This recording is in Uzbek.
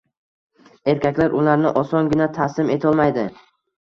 Erkaklar ularni osongina taslim etolmaydi